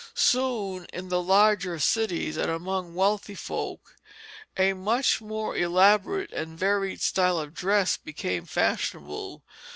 Soon in the larger cities and among wealthy folk a much more elaborate and varied style of dress became fashionable.